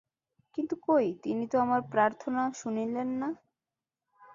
কিন্তু কই, তিনি তো আমার প্রার্থনা শুনিলেন না।